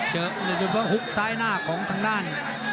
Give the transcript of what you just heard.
หุบซ้ายหน้าของทางด้าน